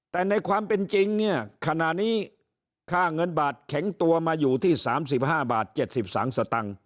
แต่ในความเป็นจริงเนี่ยขณะนี้ค่าเงินบาทแข็งตัวมาอยู่ที่๓๕บาท๗๓สตังค์